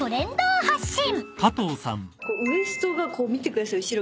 ウエストがこう見てください後ろ。